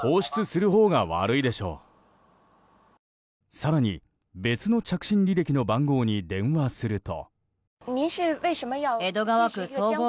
更に、別の着信履歴の番号に電話すると。